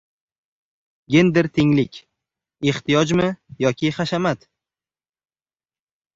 Gender tenglik: ehtiyojmi yoki hashamat?